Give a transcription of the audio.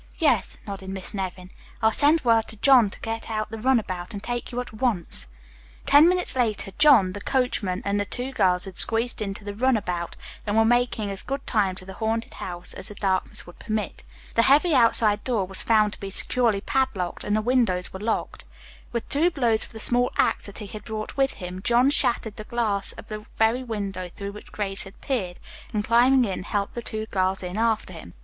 "Yes," nodded Miss Nevin. "I'll send word to John to get out the run about and take you at once." Ten minutes later John, the coachman, and the two girls had squeezed into the run about and were making as good time to the haunted house as the darkness would permit. The heavy outside door was found to be securely padlocked, and the windows were locked. With two blows of the small axe that he had brought with him, John shattered the glass of the very window through which Grace had peered, and, climbing in, helped the two girls in after him.